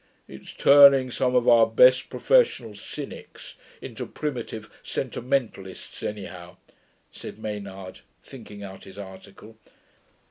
'It's turning some of our best professional cynics into primitive sentimentalists, anyhow,' said Maynard, thinking out his article.